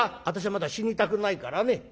「私はまだ死にたくないからね」。